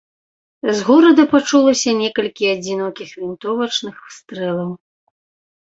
З горада пачулася некалькі адзінокіх вінтовачных стрэлаў.